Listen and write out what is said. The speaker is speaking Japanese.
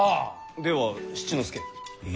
では七之助。え。